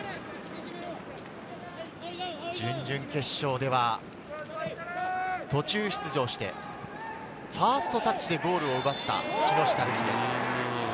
準々決勝では、途中出場して、ファーストタッチでゴールを奪った、木下瑠己です。